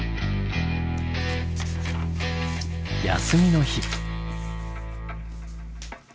休みの日。